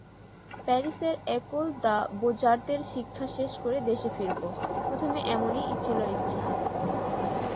প্যারিসের একোল দ্য বোজার্তের শিক্ষা শেষ করে দেশে ফিরব—প্রথমে এমনই ছিল ইচ্ছা।